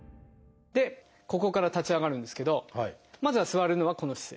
ここから立ち上がるんですけどまずは座るのはこの姿勢。